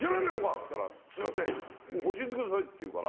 っつったら「すいません教えてください」って言うから。